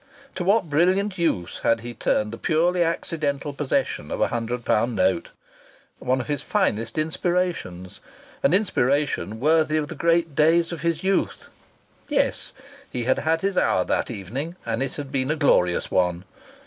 To what brilliant use had he turned the purely accidental possession of a hundred pound note! One of his finest inspirations an inspiration worthy of the great days of his youth! Yes, he had had his hour that evening, and it had been a glorious one.